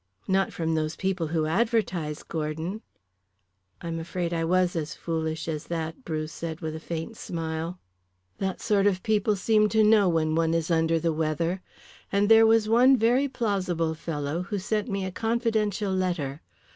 "Not from those people who advertise, Gordon?" "I am afraid I was as foolish as that," Bruce said, with a faint smile. "That sort of people seem to know when one is under the weather. And there was one very plausible fellow who sent me a confidential letter.